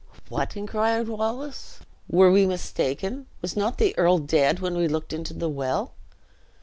"What!" inquired Wallace, "were we mistaken? was not the earl dead when we looked into the well?"